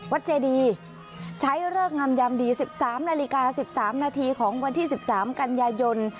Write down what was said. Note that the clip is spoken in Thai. เจดีใช้เลิกงามยามดี๑๓นาฬิกา๑๓นาทีของวันที่๑๓กันยายน